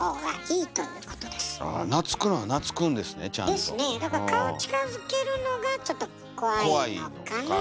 ですねだから顔近づけるのがちょっと怖いのかなあ。